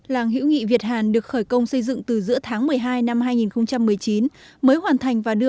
làng hiễu nghị việt hàn được khởi công xây dựng từ giữa tháng một mươi hai năm hai nghìn một mươi chín mới hoàn thành và đưa